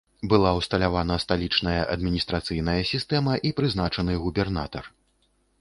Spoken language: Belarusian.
Была ўсталявана сталічная адміністрацыйная сістэма і прызначаны губернатар.